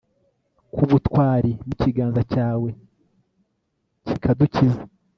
k'ubutwari, n'ikiganza cyawe kikadukiza